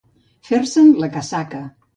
Fer-se'n la casaca.